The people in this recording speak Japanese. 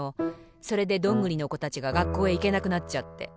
それでどんぐりのこたちががっこうへいけなくなっちゃって。